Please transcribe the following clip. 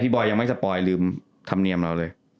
พี่บอยยังไม่สปอยลืมทำเนียมเราเลย